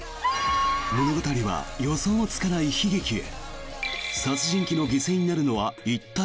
物語は予想もつかない悲劇へ。